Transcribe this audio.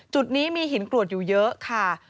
จุดนี้มีหินกรวดอยู่เยอะค่ะ